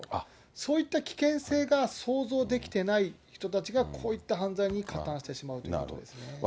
そういった危険性が想像できてない人たちが、こういった犯罪に加担してしまうということですね。